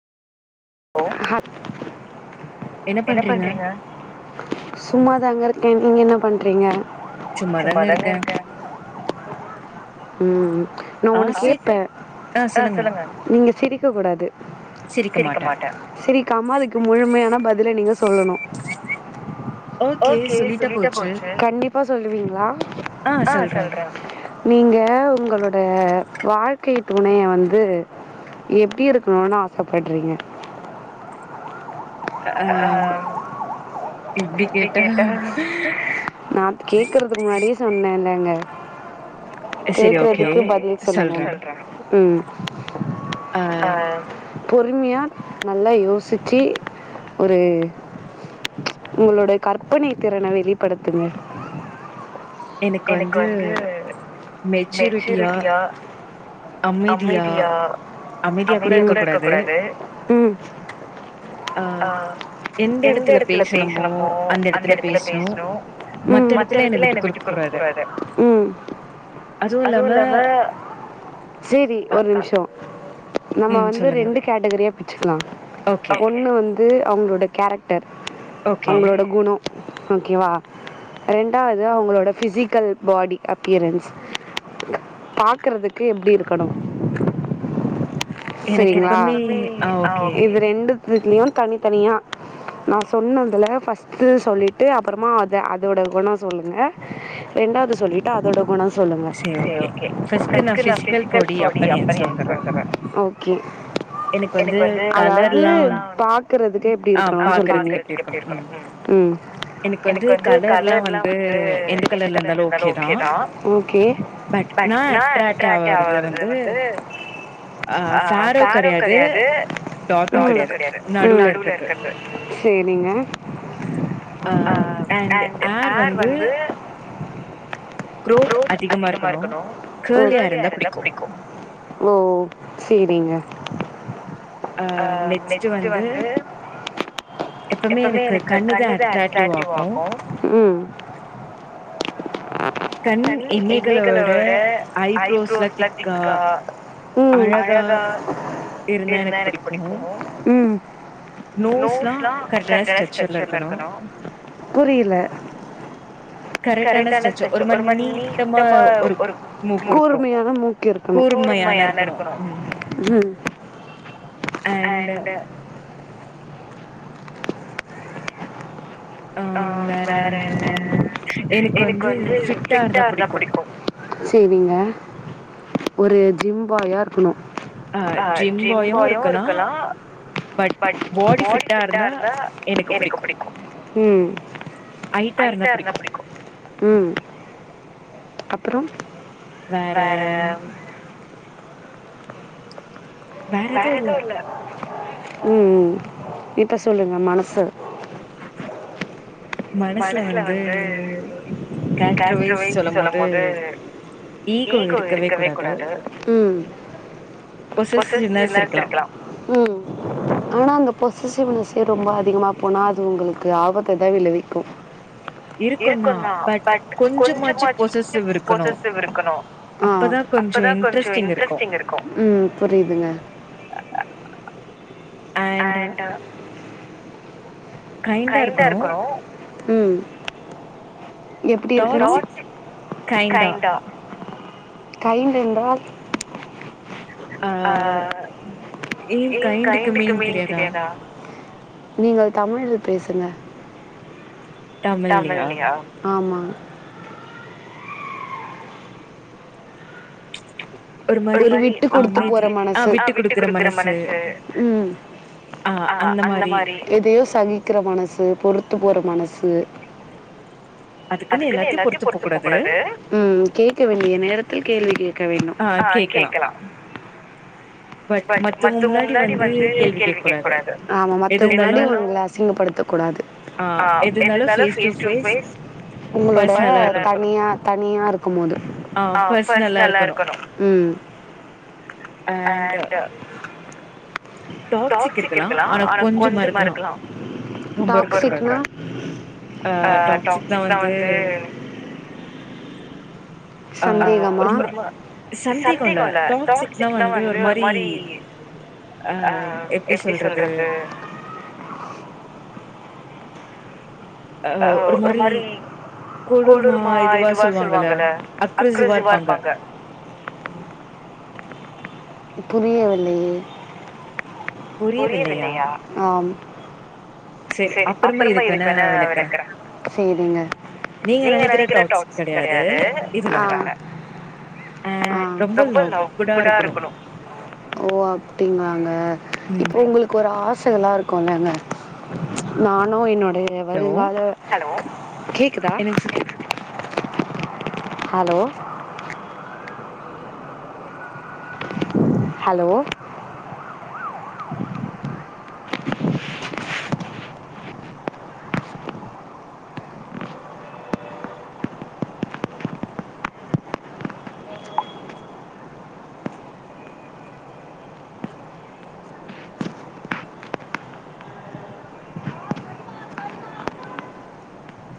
hello என்ன பண்றீங்க சும்மா தாங்க இருக்க நீங்க என்ன பண்றீங்க சும்மாதாங்க இருக்க உம் நா ஒன்னு கேப்ப நீங்க சிரிக்க கூடாது சிரிக்க மாட்ட சிரிக்கமா அதுக்கு முழுமையான பதில நீங்க சொல்லணு ஓகே சொல்லிட்டா போச்சு இப்ப சொல்லுவீங்களா உங்களோட வாழ்க்கை துணைய வந்து எப்டி இருக்கணும்னு ஆசப்பட்றீங்க ஆஹ் நா கேக்கறதுக்கு முன்னாடியே சொன்னலங்க கேக்கறதுக்கு பதில் சொல்லணுனு உம் அஹ் பொறுமியா நல்லா யோசிச்சு ஒரு உங்களோட கற்பனை திறன வெளிப்படுத்துங்க எனக்கு வந்து மெச்சூரிட்டியா அமைதியா அமைதியா கூட இருக்க கூடாது ஆஹ் எந்த எடத்துல பேசனமோ அந்த எடத்துல பேசணு மத்த எடத்துல என்ன விட்டு குடுக் கூடாது அதுவு இல்லாம நம்ம வந்து ரெண்டு கேட்டகரியா பிச்சுக்கலா ஒண்ணு வந்து அவுங்களோட கேரக்டர் அவங்களோட குணோ ஓகேவா ரெண்டாவது அவங்களோட பிசிக்கல் பாடி அப்பியரன்ஸ் பாக்குறதுக்கு எப்டி இருக்கணு சரிங்களா இது ரெண்டுத்திலியு தனிதனியா நா சொன்னது துல ஃபஸ்ட் சொல்லிட்டு அப்பறமா அத அதோட கொணோ சொல்லுங்க ரெண்டாவது சொல்லிட்டு அதோட குணோ ஓகே ஓகே ஃபர்ஸ்ட் நா ஃபிசிக்கல் பாடி அப்ரியன்ஸ்க்கு வந்தர அதாவது பாக்கறதுக்கு எப்டி இருக்கனு சொல்றீங்க எப்டி இருக்கனு எனக்கு வந்து கலர்லா வந்து எந்த கலர்ல இருந்தாலு ஓகே தா பட் நா அட்ராக்ட் ஆவறது வந்து ஆஹ் சாரோ கெடையாது கெடையாது நடுவுல இருக்கறது ஆஹ் அண்ட் ஏர் வந்து க்ரோத் அதிகமா இருக்கணு கர்லியா இருந்தா புடிக்கு ஓ சேரிங்க ஆஹ் நெக்ஸ்ட் வந்து எப்பமே எனக்கு கண்ணுதா அட்ராக்டிவ் ஆகு கண் இமைகளோட ஐப்ரோஸ் எல்லா திக்கா அழகா இருந்தா எனக்கு புடிக்கு நோஸ்லா கரட்டான ஸ்ட்ரச்சர்ல இருக்கணு கரட்டான ஸ்டெச்சர் ஒரு மாரி நீட்டமா ஒரு மூக்கு இருக்கு கூர்மையான இருக்கணு உம் அண்டு ஆ வேற என்ன எனக்கு வந்து ஃபிட்டா இருந்தா பிடிக்கு சேரிங்க ஒரு ஜிம் பாய்யா இருக்கணு ஆ ஜிம் பாய்யு இருக்கலா ம் ம் அப்புற வேற வேற எதுவு இல்ல ம் ம் இப்ப சொல்லுங்க மனசு மனசுல வந்து கேரக்டர்வைஸ் சொல்லும் போது ஈகோ இருக்கவே கூடாது ம் பொசசிவ் ம் ஆன பொசெஸிவ்னெஸ் ரொம்ப அதிகமா போனா அது உங்களுக்கு ஆபத்த தா விளைவிக்கு இருக்கு தா பட் கொஞ்சமாச்சு பொசெஸிவ் இருக்கணு ஹ அப்பதா கொஞ்ச இன்ட்ரெஸிங் இருக்கு ம் புரியுதுங்க அண்ட் கைண்டா இருக்கனு ம் எப்டி இருக்கணு கைண்டா கைண்டு என்றால் ஆ ஏன் கைண்டுக்கு மீனிங் தெரியாதா நீங்க தமிழ் பேசுங்க தமிழ்லயா ஆமா ஒரு விட்டு கொடுத்து போற மனசு விட்டு கொடுக்குற மனசு ம் எதையோ சகிக்கிற மனசு பொறுத்து போற மன சு ம் கேட்க வேண்டிய நேரத்தில் கேள்வி கேட்க வேண்டு ஆ கேக்கலா ஆமா மத்த முன்னாடி உங்கள அசிங்கடுத்த க்க கூடாது உங்களோட தனிய தனியா இருக்கு போது ஹ பர்சனல்ல இருக்கணு ம் அண்ட் டாக்சிக் இருக்கலா ஆனா கொஞ்சமா இருக்கலா டாக்சிக்னா ஹ டாக்சிக்னா வந்து சந்தேகமா சந்தேக இல்ல டாக்சிக்னா வந்து ஒரு மாரி அஹ் எப்டி சொல்றது அஹ் ஒரு மாரி கொடூருமா இதுவா சொல்லுவாங்கல்ல அக்ரசிவா இருப்பாங்க புரியவில்லயே புரியவில்லையா ஆம் சேரி அப்பறமா இதுக்னா விளக்கற சேரிங்க நீங்க நெனைக்கிற டாக்சிக் கெடையாது ஹ இது வேற அ ரொம்ப லவ்வுடா இருக்குணு ஓ அப்டிங்களாங்க இப்ப உங்களுக்கு ஒரு ஆச சல்ல இருக்குல்லங்க நானு என்னுடைய வருங்கால ஹலோ கேக்குதா ஹலோ ஹலோ